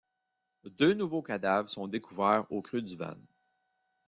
Deux nouveaux cadavres sont découverts au Creux-du-Van.